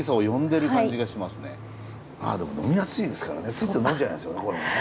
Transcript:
でも呑みやすいですからねついつい呑んじゃいますよね